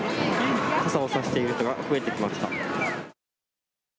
傘を差している人が増えてきました。